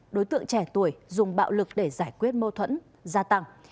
đối tượng trẻ tuổi dùng bạo lực để giải quyết mâu thuẫn gia tăng